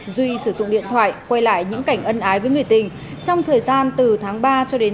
duy sử dụng điện thoại quay lại những cảnh ân ái với người tình trong thời gian từ tháng ba cho đến